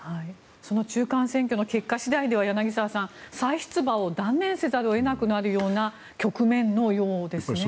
その中間選挙の結果次第では、柳澤さん再出馬を断念をせざるを得なくなるような局面のようですね。